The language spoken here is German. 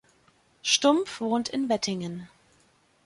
Stump wohnt in Wettingen.